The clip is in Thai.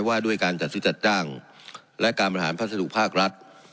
ว่าด้วยการจัดซื้อจัดจ้างและการบริหารพัสดุภาครัฐ